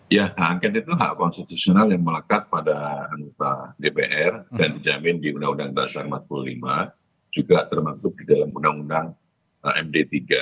ya hak angket itu hak konstitusional yang melekat pada anggota dpr dan dijamin di undang undang dasar empat puluh lima juga terbentuk di dalam undang undang md tiga